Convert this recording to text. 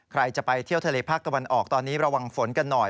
ใครจะไปเที่ยวทะเลภาคตะวันออกตอนนี้ระวังฝนกันหน่อย